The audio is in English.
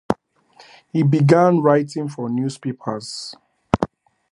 He began writing for newspapers.